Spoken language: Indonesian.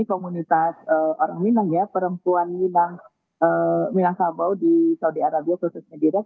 orang minang ya perempuan minang sabau di saudi arabia khusus medirak